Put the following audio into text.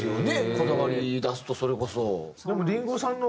こだわりだすとそれこそ。